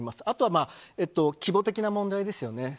あとは、規模的な問題ですよね。